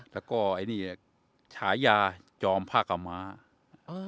แล้วก็ไอ้นี่เนี่ยหายาจอมพระกัมมาอ่า